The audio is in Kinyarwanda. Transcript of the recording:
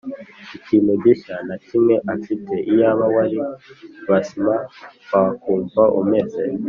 ikintu gishya na kimwe afite Iyaba wari Basma wakumva umeze